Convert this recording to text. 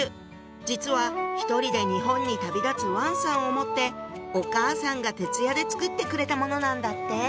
実は１人で日本に旅立つ王さんを思ってお母さんが徹夜で作ってくれたものなんだって！